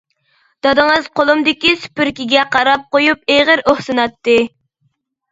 دادىڭىز قولۇمدىكى سۈپۈرگىگە قاراپ قويۇپ ئېغىر ئۇھسىناتتى.